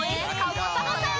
サボさん